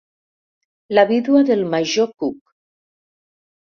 La vídua del major Cook.